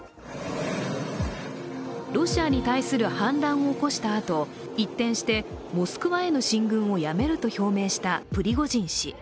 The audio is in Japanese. ロシアに対する反乱を起こしたあと、一転してモスクワへの進軍をやめると表明したプリゴジン氏。